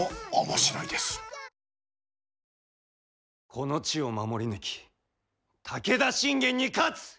この地を守り抜き武田信玄に勝つ！